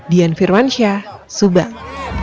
dian firwansyah subang